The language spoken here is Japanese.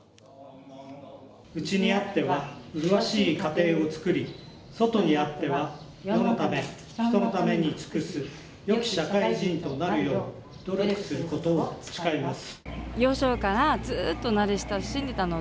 内にあっては麗しい家庭をつくり外にあっては世のため人のために尽くすよき社会人となるよう努力することを誓います。